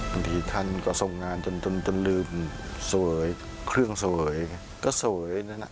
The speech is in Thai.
บางทีท่านก็ทรงงานจนลืมสวยเครื่องเสวยก็สวยนั่นน่ะ